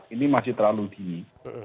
ini masih terlalu dingin